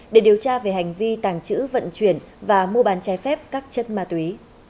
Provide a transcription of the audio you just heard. để điều tra về hành vi tàng trữ vận chuyển và mua bàn trái phép các chất ma túy